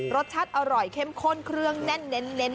รสชาติอร่อยเข้มข้นเครื่องแน่นเน้น